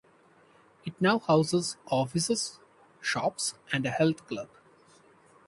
It now houses offices, shops and a health club.